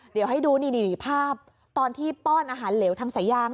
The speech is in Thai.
เดี๋ยวให้ดูนี่ภาพตอนที่ป้อนอาหารเหลวทางสายาง